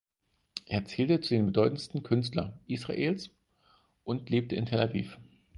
Er zählte zu den bedeutendsten Künstler Israels und lebte in Tel Aviv.